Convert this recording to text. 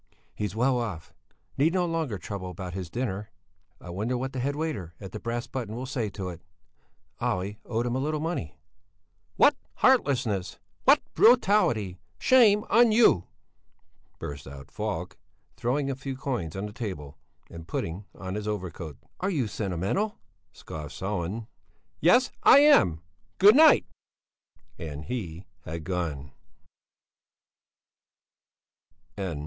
"He's well off, need no longer trouble about his dinner. I wonder what the head waiter at the 'Brass Button' will say to it? Olle owed him a little money." "What heartlessness! What brutality! Shame on you!" burst out Falk, throwing a few coins on the table, and putting on his overcoat. "Are you sentimental?" scoffed Sellén. "Yes, I am! Good night." And he had gone.